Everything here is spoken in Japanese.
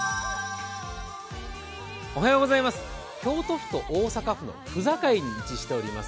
京都府と大阪府の府境に位置しています